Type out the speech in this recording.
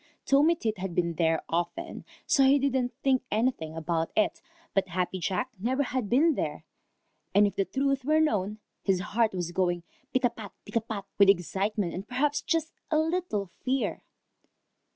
Tommy Tit had been there often, so he didn't think anything about it, but Happy Jack never had been there, and if the truth were known, his heart was going pitapat, pitapat, with excitement and perhaps just a little fear.